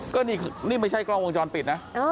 ก็นี่ไม่ใช่กล้องวงจรปิดนะ